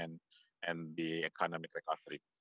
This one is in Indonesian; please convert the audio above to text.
dan penyelamat ekonomi